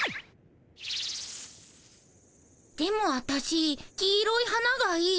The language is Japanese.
でもアタシ黄色い花がいい。